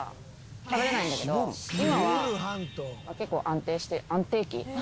今は結構安定して安定期？